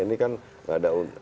ini kan gak ada untung